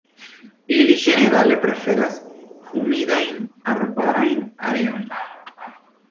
Ili ĝenerale preferas humidajn arbarajn areojn.